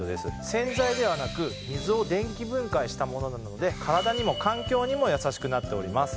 洗剤ではなく水を電気分解したものなので体にも環境にも優しくなっております。